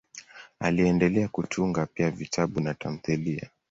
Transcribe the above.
Aliendelea kutunga pia vitabu na tamthiliya.